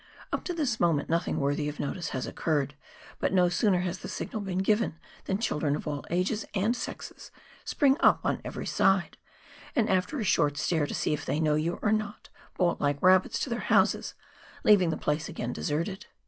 Up to this moment nothing worthy of notice has occurred, but no sooner lias the signal been given, than children of all ages and sexes spring up on every side, and, after a short stare to see if they know you or not, bolt like rabbits to their houses, leaving the place again deserted.